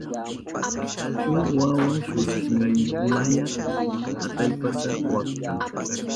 Shuk wawa shunkillaka atallpata waktan.